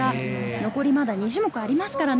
残りまだ２種目ありますからね。